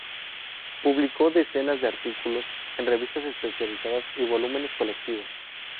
Publicó decenas de artículos en revistas especializadas y volúmenes colectivos.